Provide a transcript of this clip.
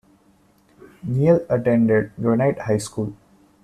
Neal attended Granite High School.